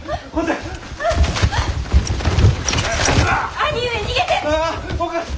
兄上逃げて！